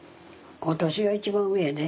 私が一番上やで。